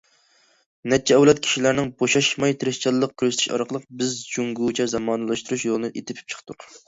نەچچە ئەۋلاد كىشىلەرنىڭ بوشاشماي تىرىشچانلىق كۆرسىتىشى ئارقىلىق بىز جۇڭگوچە زامانىۋىلاشتۇرۇش يولىنى تېپىپ چىقتۇق.